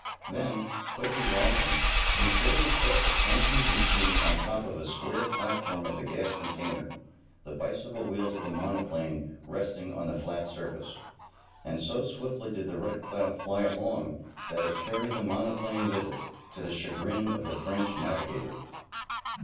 Then, quickly rising, he fairly caught the Frenchman's machine on top of a square platform of the gas container, the bicycle wheels of the monoplane resting on the flat surface. And, so swiftly did the Red Cloud fly along that it carried the monoplane with it, to the chagrin of the French navigator.